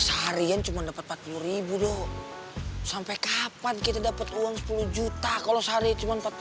seharian cuman dapat rp empat puluh sampai kapan kita dapat uang sepuluh juta kalau sehari cuman